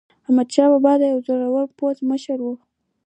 احمدشاه بابا یو زړور پوځي مشر و.